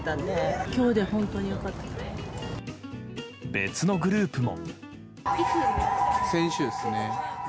別のグループも。